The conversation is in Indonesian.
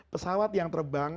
pesawat yang terbang